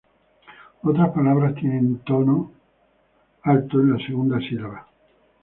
Otras palabras tienen tono alto en la segunda sílaba.